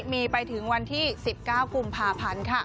มีไปถึงวันที่๑๙กุ่มผ่าพันธุ์ค่ะ